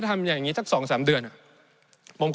ในช่วงที่สุดในรอบ๑๖ปี